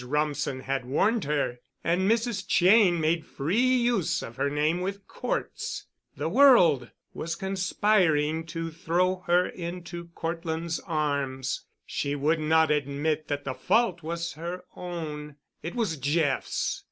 Rumsen had warned her, and Mrs. Cheyne made free use of her name with Cort's. The world was conspiring to throw her into Cortland's arms. She would not admit that the fault was her own—it was Jeff's.